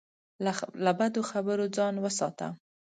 له بدو خبرو ځان وساته.